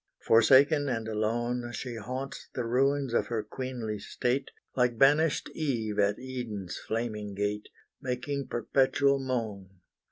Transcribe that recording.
Forsaken and alone She haunts the ruins of her queenly state, Like banished Eve at Eden's flaming gate, Making perpetual moan.